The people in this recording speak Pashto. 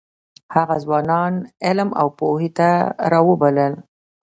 هغه ځوانان علم او پوهې ته راوبلل.